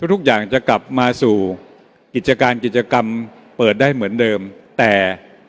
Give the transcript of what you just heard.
ทุกอย่างจะกลับมาสู่กิจการกิจกรรมเปิดได้เหมือนเดิมแต่